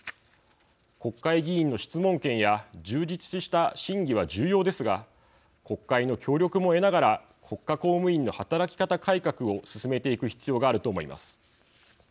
国会議員の質問権や充実した審議は重要ですが国会の協力も得ながら国家公務員の働き方改革を進めていく必要があると思います。